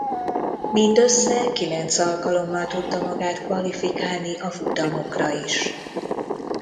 Mindössze kilenc alkalommal tudta magát kvalifikálni a futamokra is.